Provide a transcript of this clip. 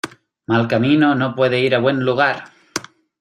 Mal camino no puede ir a buen lugar.